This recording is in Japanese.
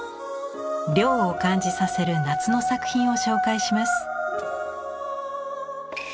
涼を感じさせる夏の作品を紹介します。